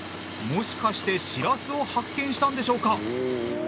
もしかしてしらすを発見したんでしょうか？